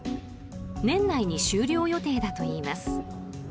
年内に終了予定だといいます。